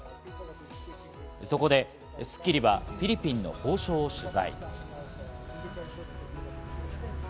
そこで『スッキリ』はフィリピンの法相を取材。